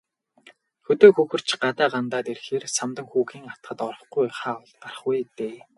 Хөдөө хөхөрч, гадаа гандаад ирэхээрээ Самдан хүүгийн атгад орохгүй хаа гарах вэ дээ.